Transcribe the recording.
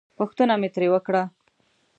پوښتنه مې ترې وکړه.